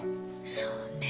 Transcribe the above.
そうね。